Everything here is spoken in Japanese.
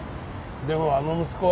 でもあの息子は。